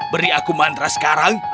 beri aku mantra sepanjang hidupmu